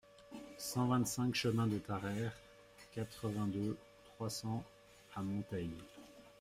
cent vingt-cinq chemin de Tarayre, quatre-vingt-deux, trois cents à Monteils